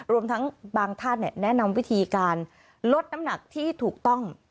รวมทั้งบางท่านแนะนำวิธีการลดน้ำหนักที่ถูกต้อง